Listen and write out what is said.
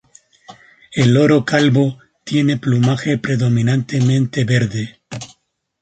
El loro calvo tiene plumaje predominantemente verde.